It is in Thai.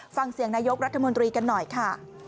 ฟังเสียงนายกรัฐมนตรีกันหน่อยค่ะ